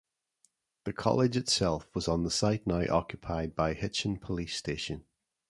The college itself was on the site now occupied by Hitchin police station.